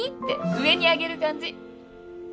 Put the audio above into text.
て上に上げる感じ。